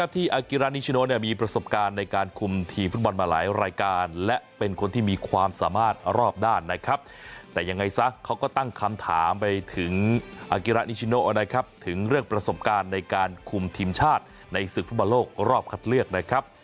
แต่ยังไงซะเขาก็ตั้งคำถามไปถึงอากิระนิชิโน่นะครับถึงเรื่องประสบการณ์ในการคุมทีมชาติในศึกฝุ่นบอลโลกรอบคัดเลือกนะครับ